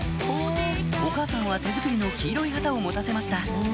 お母さんは手作りの黄色い旗を持たせました